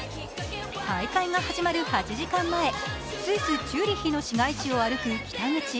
大会が始まる８時間前、スイス・チューリッヒの市街地を歩く北口。